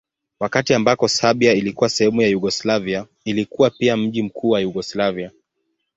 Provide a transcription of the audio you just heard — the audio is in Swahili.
Wakati ambako Serbia ilikuwa sehemu ya Yugoslavia ilikuwa pia mji mkuu wa Yugoslavia.